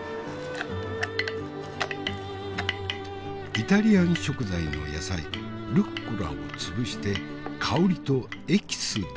イタリアン食材の野菜ルッコラを潰して香りとエキスだけをカクテルに使う。